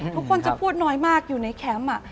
ทุกคนจะพูดน้อยมากอยู่ในแคมป์